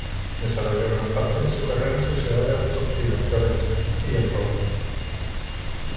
Desarrolló gran parte de su carrera en su ciudad adoptiva, Florencia, y en Roma.